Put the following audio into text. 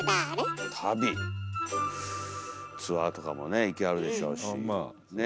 ツアーとかもね行きはるでしょうしね。